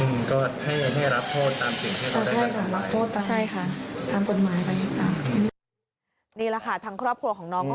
นี่แหลกเป่าทั้งครอบครัวของน้อง